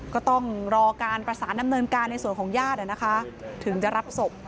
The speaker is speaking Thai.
ก็ต้องรอการประสานดำเนินการในส่วนของญาติถึงจะรับศพ